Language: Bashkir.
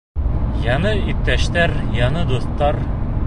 Яңы иптәштәр, яңы дуҫтар...